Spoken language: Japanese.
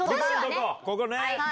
ここね！